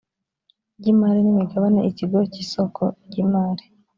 ry imari n imigabane ikigo cy isoko ry imari